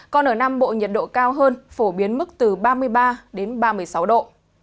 còn ở nam bộ nhiệt độ cao hơn phổ biến mức từ ba mươi ba đến ba mươi sáu độ